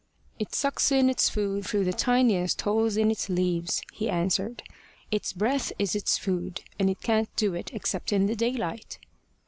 "It sucks in its food through the tiniest holes in its leaves," he answered. "Its breath is its food. And it can't do it except in the daylight."